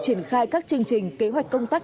triển khai các chương trình kế hoạch công tác